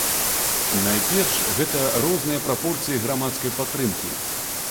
Найперш гэта розныя прапорцыі грамадскай падтрымкі.